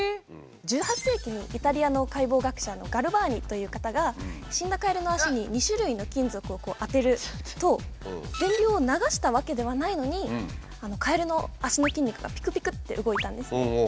１８世紀にイタリアの解剖学者のガルバーニという方が死んだカエルの足に２種類の金属を当てると電流を流したわけではないのにカエルの足の筋肉がぴくぴくって動いたんです。